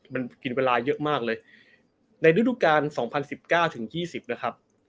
มันกินเวลาเยอะมากเลยในฤดุการณ์สองพันสิบเก้าถึงยี่สิบนะครับ